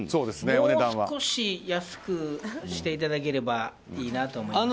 もう少し安くしていただければいいなと思います。